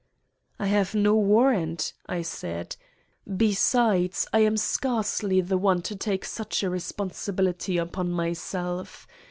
"I have no warrant," I said; "besides, I am scarcely the one to take such a responsibility upon myself.